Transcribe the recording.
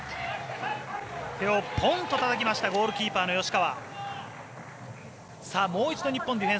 手をポンとたたいたゴールキーパーの吉川。